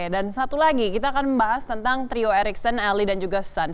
dan satu lagi kita akan membahas tentang trio ericsson allie dan juga sun